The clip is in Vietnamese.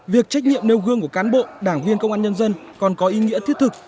việc trách nhiệm nêu gương của cán bộ đảng viên công an nhân dân còn có ý nghĩa thiết thực